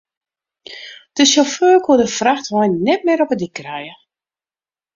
De sjauffeur koe de frachtwein net mear op de dyk krije.